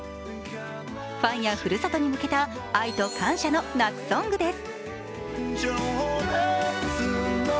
ファンやふるさとに向けた愛と感謝の夏ソングです。